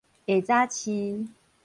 下早市